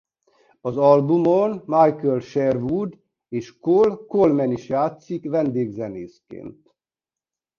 Az albumon Michael Sherwood és Cole Coleman is játszik vendégzenészként.